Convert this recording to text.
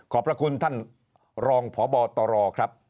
พระคุณท่านรองพบตรครับ